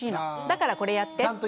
だからこれやって」って。